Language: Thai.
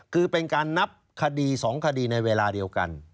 คือเป็นการนับคดี๒คดีในเวลาเดียวกัน